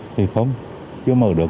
thì không chưa mở được